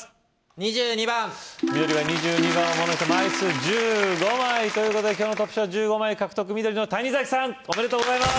２２番緑が２２番をものにして枚数１５枚ということで今日のトップ賞は１５枚獲得緑の谷崎さんおめでとうございます